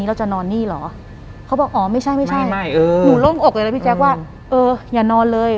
หลังจากนั้นเราไม่ได้คุยกันนะคะเดินเข้าบ้านอืม